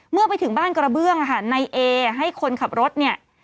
เมื่อไปถึงบ้านกระเบื้องในเอให้คนขับรถเนี่ย